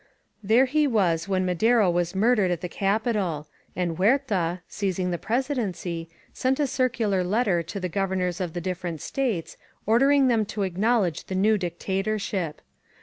There he was when Madero was murdered at the Capital, and Huerta, seizing the Presidency, sent a circular letter to the Governors of the different States, ordering them to acknowledge the new dictatorship.